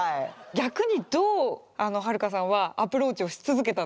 逆にどうはるかさんはアプローチをし続けたんですか？